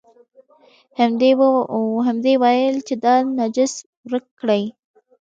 همدې یې ویل چې دا نجس ورک کړئ.